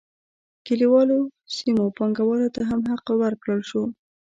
کلیوالو سیمو پانګوالو ته هم حق ورکړل شو.